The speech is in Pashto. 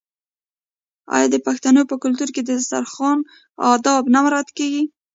آیا د پښتنو په کلتور کې د دسترخان اداب نه مراعات کیږي؟